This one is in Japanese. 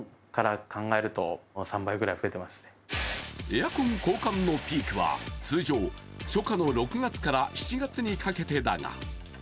エアコン交換のピークは通常、初夏の６月から７月にかけてだが。